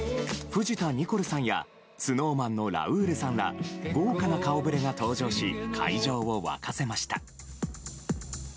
藤田ニコルさんやＳｎｏｗＭａｎのラウールさんら豪華な顔ぶれが登場し会場を沸かせました。